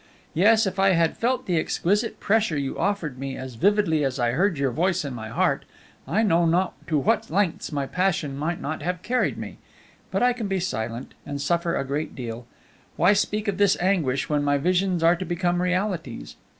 Yes, if I had felt the exquisite pressure you offered me as vividly as I heard your voice in my heart, I know not to what lengths my passion might not have carried me. But I can be silent, and suffer a great deal. Why speak of this anguish when my visions are to become realities?